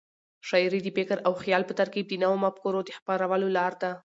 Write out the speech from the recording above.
شاعري د فکر او خیال په ترکیب د نوو مفکورو د خپرولو لار ده.